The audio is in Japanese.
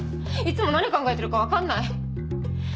いっつも何考えてるか分かんない。